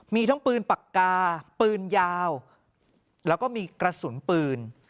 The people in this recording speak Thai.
มีทั้งปืนปากกาปืนยาวแล้วก็มีกระสุนปืน